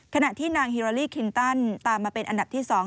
ขณะที่นางฮิลาลี่คินตันตามมาเป็นอันดับที่๒